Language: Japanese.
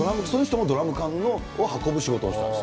その人もドラム缶を運ぶ仕事をしています。